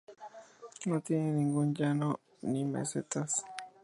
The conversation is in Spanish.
No tiene ningún llano ni mesetas.